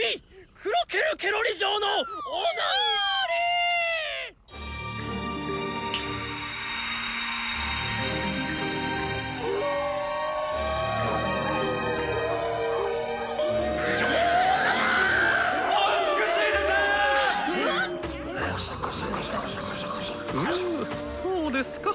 フムそうですか。